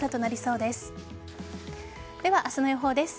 では、明日の予報です。